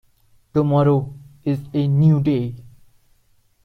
Tomorrow is a new day.